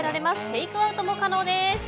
テイクアウトも可能です。